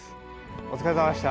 お疲れさまでした。